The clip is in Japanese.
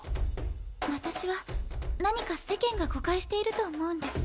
私は何か世間が誤解していると思うんです。